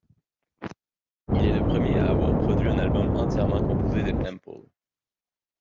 Il est le premier à avoir produit un album entièrement composé de samples.